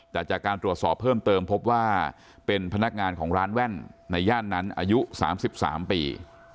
แต่จากการตรวจสอบเพิ่มเติมพบว่าเป็นพนักงานของร้านแว่นในย่านนั้นอายุ๓๓ปี